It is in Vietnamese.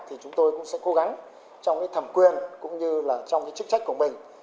thì chúng tôi cũng sẽ cố gắng trong thẩm quyền cũng như trong chức trách của mình